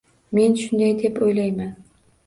Men shunday deb o‘ylayman!